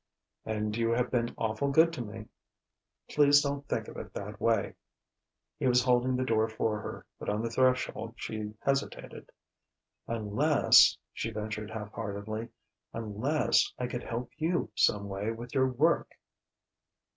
"And you have been awful' good to me." "Please don't think of it that way." He was holding the door for her, but on the threshold she hesitated. "Unless," she ventured half heartedly "unless I could help you some way with your work."